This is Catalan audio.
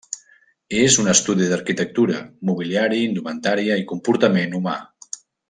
És un estudi d'arquitectura, mobiliari, indumentària i comportament humà.